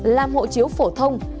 làm hộ chiếu phổ thông